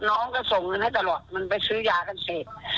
น้องก็ส่งเงินให้ตลอดมันไปซื้อยากันเสร็จ